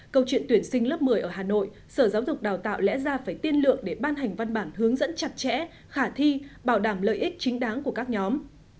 câu chuyện tuyển sinh lớp một mươi ở hà nội sở giáo dục đào tạo lẽ ra phải tiên lượng để ban hành văn bản hướng dẫn chặt chẽ khả thi bảo đảm lợi ích chính đáng của các nhóm